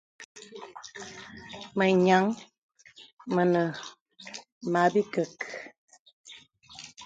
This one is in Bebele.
Mə nyāŋ mə nə mə̀ àbìkək.